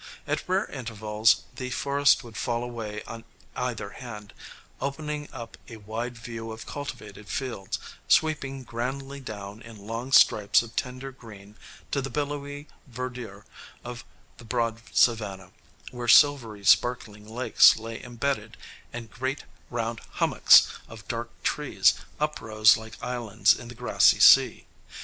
At rare intervals the forest would fall away on either hand, opening up a wide view of cultivated fields, sweeping grandly down in long stripes of tender green to the billowy verdure of the broad savanna, where silvery sparkling lakes lay imbedded and great round "hummocks" of dark trees uprose like islands in the grassy sea.